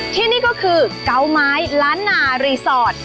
ที่นี่ก็คือเกาไม้ล้านนารีสอร์ท